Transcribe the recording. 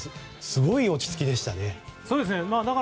すごい落ち着きでしたね。